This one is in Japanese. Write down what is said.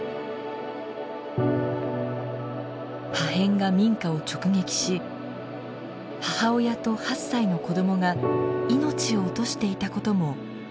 破片が民家を直撃し母親と８歳の子どもが命を落としていたことも分かりました。